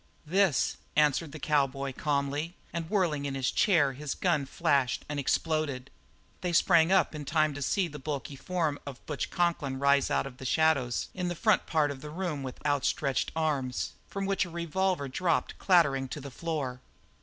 "This," answered the cowboy calmly, and whirling in his chair, his gun flashed and exploded. They sprang up in time to see the bulky form of Butch Conklin rise out of the shadows in the front part of the room with outstretched arms, from one of which a revolver dropped clattering to the floor.